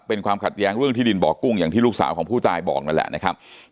เป็นความขัดแย้งเรื่องที่ดินบ่อกุ้งอย่างที่ลูกสาวของผู้ตายบอกนั่นแหละนะครับ